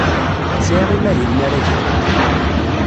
Sɛiɣ imahilen ara geɣ.